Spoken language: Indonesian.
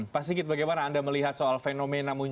pak sigit bagaimana anda melihat soal fenomena